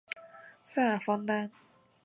塞尔方丹。